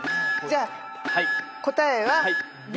じゃあ答えは。